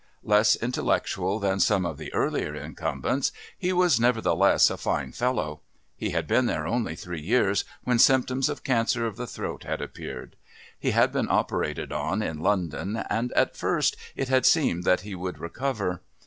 Less intellectual than some of the earlier incumbents, he was nevertheless a fine fellow. He had been there only three years when symptoms of cancer of the throat had appeared. He had been operated on in London, and at first it had seemed that he would recover.